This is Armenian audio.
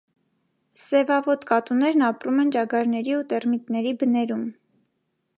Սևաոտ կատուներն ապրում են ճագարների ու տերմիտների բներում։